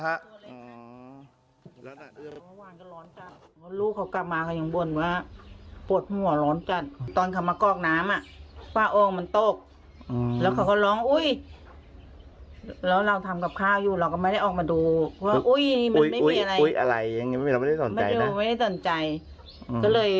หรือว่าฝ่าโอ้งมันตกชะเงื้อดูในโอ้งหน่อย